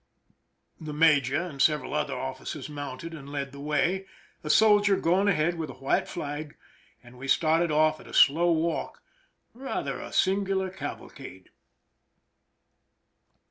The major and several other officers mounted and led the way, a soldier going ahead with a white flag, and we started off at a slow walk, rather a singular cavalcade.